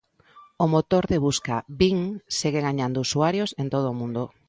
O motor de busca Bing segue gañando usuarios en todo o mundo.